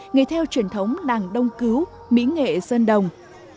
nghề theo truyền thống làng đông cứu mỹ nghệ dân đồng